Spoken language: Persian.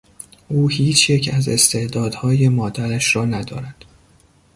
او هیچ یک از استعدادهای مادرش را ندارد.